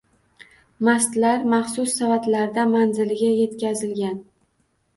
Mastlar maxsus savatlarda manziliga yetkazilgan.